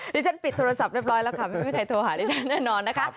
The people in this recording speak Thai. ฉันปิดโทรศัพท์เรียบร้อยแล้วค่ะไม่มีใครโทรหาดิฉันแน่นอนนะคะ